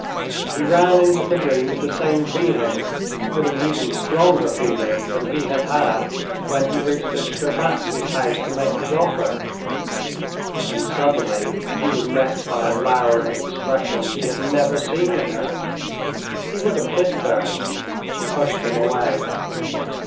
He ran into the room with the same feeling, with an even stronger feeling than he had had when he reached the Shtcherbatskys' house to make his offer. And suddenly he was met by a lowering expression he had never seen in her. He would have kissed her; she pushed him away.